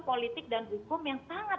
politik dan hukum yang sangat